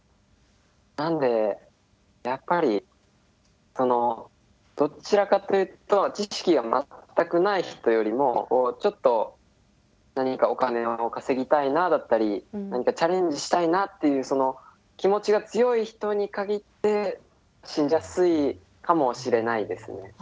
なんでやっぱりどちらかというと知識が全くない人よりもちょっと何かお金を稼ぎたいなだったりチャレンジしたいなっていうその気持ちが強い人に限って信じやすいかもしれないですね。